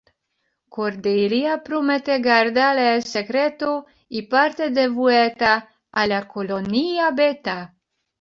Cordelia promete guardar el secreto, y parte de vuelta a la Colonia Beta.